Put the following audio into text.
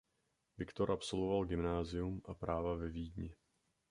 Viktor absolvoval gymnázium a práva ve Vídni.